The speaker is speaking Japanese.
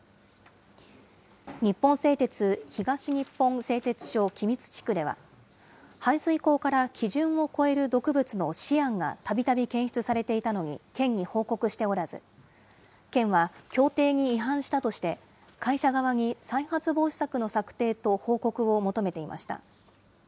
日本製鉄東日本製鉄所君津地区では、排水口から基準を超える毒物のシアンが、たびたび検出されていたのに、県に報告しておらず、県は、協定に違反したとして、会社側に再発防止策の策定と報告を求めていました。